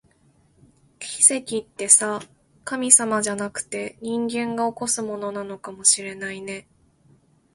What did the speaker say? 奇跡ってさ、神様じゃなくて、人間が起こすものなのかもしれないね